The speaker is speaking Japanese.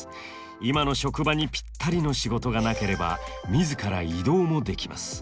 今の職場にぴったりの仕事がなければ自ら異動もできます。